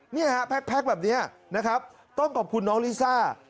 เนี่ยฮะแพ็คแบบนี้นะครับต้องขอบคุณน้องลิซ่า